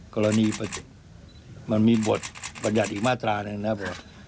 กรณีมันมีบทบัญญัติอีกมาตราหนึ่งนะครับ